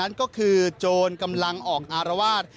กว่านั้นก็คือโจรกำลังออกอารวาส